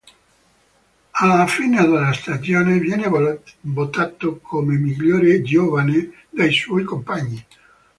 Alla fine della stagione viene votato come migliore giovane dai suoi compagni.